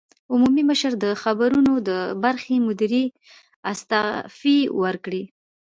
عمومي مشر او د خبرونو د برخې مدیرې استعفی ورکړې